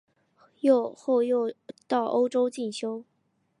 后又到欧洲进修。